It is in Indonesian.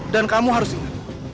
dan kamu harus ingat